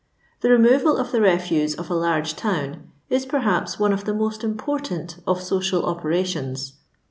The removal of the refuse of a large town is, perhaps, one of the most important of social ope rations.